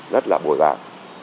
rất là bồi bạc